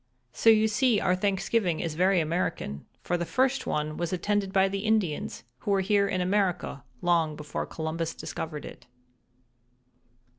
"So you see our Thanksgiving is very American, for the first one was attended by the Indians, who were here in America long before Columbus discovered it."